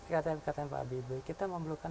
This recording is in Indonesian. kata kata pak habibie kita memerlukan